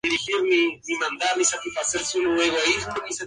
Let us know.